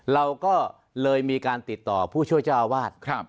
เราก็เลยมีการติดต่อผู้ช่วยเจ้าอาวาส